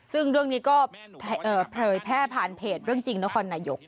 ซึ่งเรื่องนี้ก็เผยแพร่ผ่านเพจเรื่องจริงนครนายก